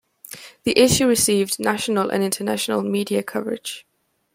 The issue received national and international media coverage.